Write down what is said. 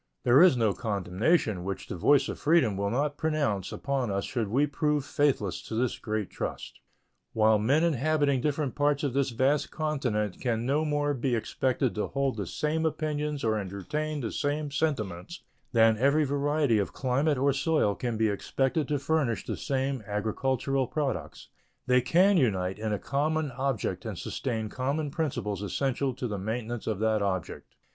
There is no condemnation which the voice of freedom will not pronounce upon us should we prove faithless to this great trust. While men inhabiting different parts of this vast continent can no more be expected to hold the same opinions or entertain the same sentiments than every variety of climate or soil can be expected to furnish the same agricultural products, they can unite in a common object and sustain common principles essential to the maintenance of that object.